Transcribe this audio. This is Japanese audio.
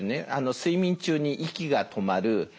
睡眠中に息が止まる